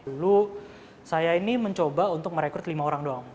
dulu saya ini mencoba untuk merekrut lima orang doang